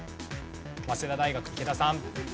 早稲田大学池田さん。